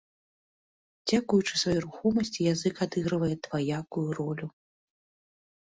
Дзякуючы сваёй рухомасці язык адыгрывае дваякую ролю.